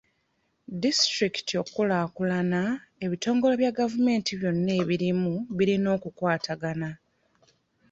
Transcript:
Disitulikiti okukulaakulana, ebitongole bya gavumenti byonna ebirimu birina okukwatagana.